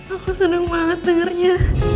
aku seneng banget dengernya